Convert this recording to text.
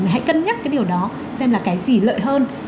hãy cân nhắc cái điều đó xem là cái gì lợi hơn